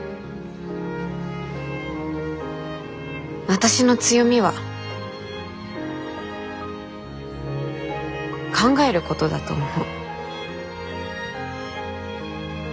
私の強みは考えることだと思う。